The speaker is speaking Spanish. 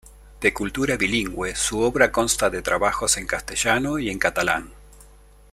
De cultura bilingüe, su obra consta de trabajos en castellano y en catalán.